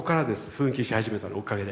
奮起し始めたのおかげで。